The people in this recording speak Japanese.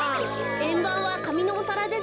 えんばんはかみのおさらですね。